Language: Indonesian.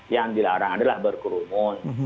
yang dilarang adalah berkurumun